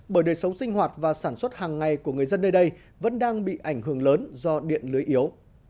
bởi đời sống sinh hoạt và sản xuất hàng ngày của người dân nơi đây vẫn đang bị ảnh hưởng lớn do điện lưới yếu